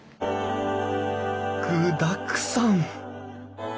具だくさん！